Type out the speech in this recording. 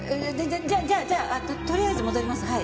じゃあじゃあじゃあとりあえず戻ります。